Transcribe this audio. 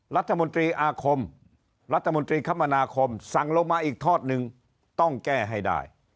รัฐมนตรีอาคมรัฐมนตรีคมนาคมสั่งลงมาอีกทอดหนึ่งต้องแก้ให้ได้